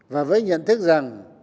và với nhận thức rằng